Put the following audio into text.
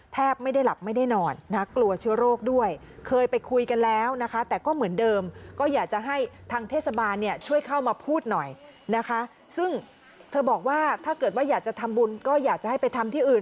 เธอบอกว่าถ้าเกิดว่าอยากจะทำบุญก็อยากจะให้ไปทำที่อื่น